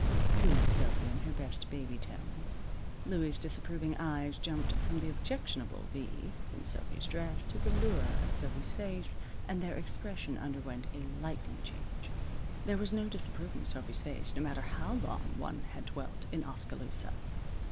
cooed Sophy in her best baby tones. Louie's disapproving eyes jumped from the objectionable V in Sophy's dress to the lure of Sophy's face, and their expression underwent a lightning change. There was no disapproving Sophy's face, no matter how long one had dwelt in Oskaloosa.